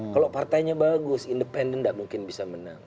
kalau partainya bagus independen tidak mungkin bisa menang